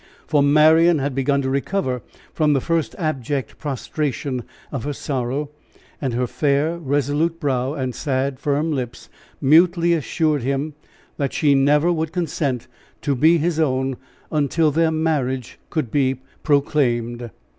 For Marian had begun to recover from the first abject prostration of her sorrow, and her fair, resolute brow and sad, firm lips mutely assured him that she never would consent to be his own until their marriage could be proclaimed.